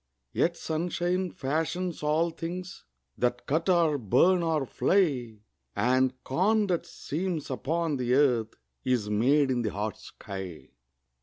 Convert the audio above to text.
Yet sunshine fashions all things That cut or burn or fly; And corn that seems upon the earth Is made in the hot sky.